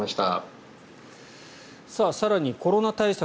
更に、コロナ対策